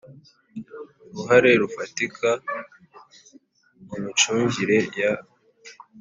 Uruhare rufatika mu micungire ya